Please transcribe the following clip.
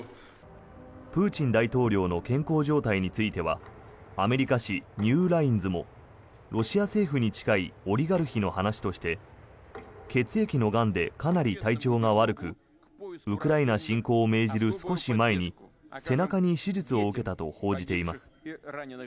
プーチン大統領の健康状態についてはアメリカ誌「ニューラインズ」もロシア政府に近いオリガルヒの話として血液のがんでかなり体調が悪くウクライナ侵攻を命じる少し前に背中に手術を受けたと報じています。